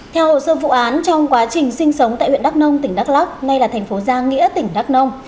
sau vụ án trong quá trình sinh sống tại huyện đắk nông tỉnh đắk lắk nay là thành phố giang nghĩa tỉnh đắk nông